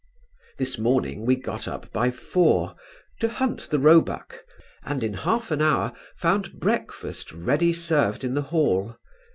This morning we got up by four, to hunt the roebuck, and, in half an hour, found breakfast ready served in the hall.